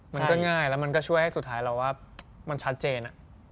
มันก็ง่ายแล้วมันก็ช่วยให้สุดท้ายเราว่ามันชัดเจน